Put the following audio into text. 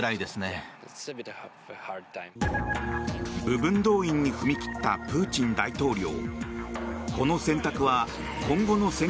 部分動員に踏み切ったプーチン大統領。